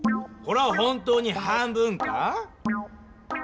これは本当に半分か？